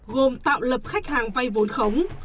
gồm tạo lập khách hàng vay vốn khống